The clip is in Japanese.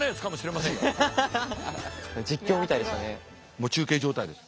もう中継状態です。